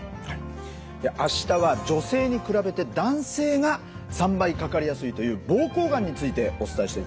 明日は女性に比べて男性が３倍かかりやすいという膀胱がんについてお伝えしていきます。